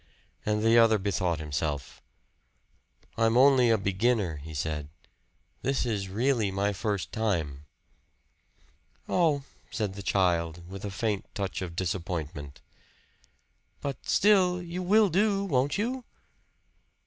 And the other bethought himself. "I'm only a beginner," he said. "This is really my first time." "Oh!" said the child with a faint touch of disappointment. "But still you will do, won't you?"